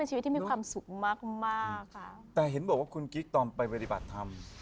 ชีวิตที่มีความสุขมากมากค่ะแต่เห็นบอกว่าคุณกิ๊กตอนไปปฏิบัติธรรม